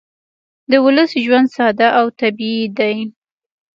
د ولس ژوند ساده او طبیعي دی